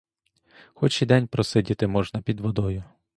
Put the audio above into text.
Хоч і день просидіти можна під водою.